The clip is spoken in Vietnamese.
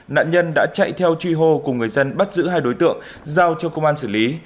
nạn nhân đã chạy theo truy hô cùng người dân bắt giữ hai đối tượng giao cho công an xử lý